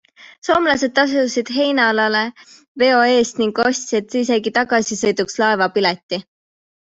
Soomlased tasusid Heinalale veo eest ning ostsid isegi tagasisõiduks laevapileti.